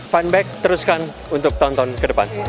fun back teruskan untuk tahun tahun ke depan